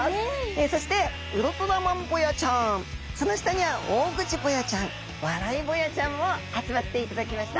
そしてウルトラマンボヤちゃんその下にはオオグチボヤちゃんワライボヤちゃんも集まっていただきました。